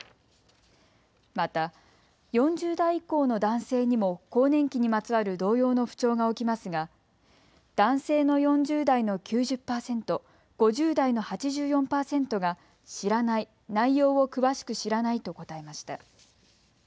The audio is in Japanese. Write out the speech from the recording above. また４０代以降の男性にも更年期にまつわる同様の不調が起きますが男性の４０代の９０％、５０代の８４％が知らない、内容を詳しく知らないと答えました。